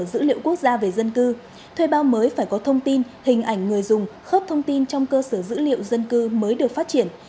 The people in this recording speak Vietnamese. dữ liệu quốc gia về dân cư thuê bao mới phải có thông tin hình ảnh người dùng khớp thông tin trong cơ sở dữ liệu dân cư mới được phát triển